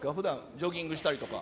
ジョギングしたりとか。